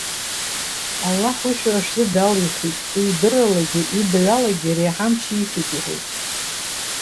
Аллаҳ уи шәара шәзы далихит, уи идырралагьы, ибаҩ алагьы реиҳа амч ииҭеит,- иҳәеит.